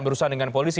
berusaha dengan polisi